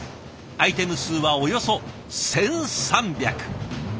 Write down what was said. アイテム数はおよそ１，３００。